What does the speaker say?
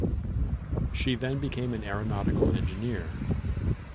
She then became an aeronautical engineer.